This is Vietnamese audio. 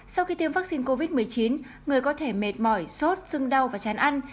sau khi tiêm vaccine covid một mươi chín người có thể mệt mỏi sốt sưng đau và chán ăn